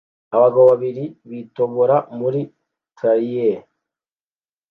Abagabo babiri bitobora muri trailer